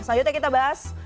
selanjutnya kita bahas